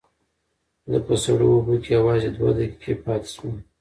زه په سړو اوبو کې یوازې دوه دقیقې پاتې شوم.